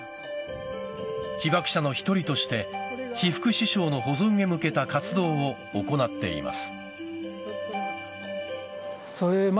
被爆者の一人として被服支廠の保存へ向けた活動を行っています。